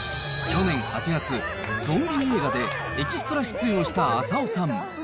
去年８月、ゾンビ映画でエキストラ出演をした浅尾さん。